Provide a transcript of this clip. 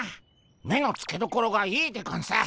目のつけどころがいいでゴンス。